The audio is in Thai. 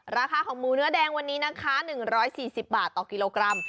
ราคาของหมูเนื้อแดงวันนี้นะคะ๑๔๐บาทต่อกิโลกรัม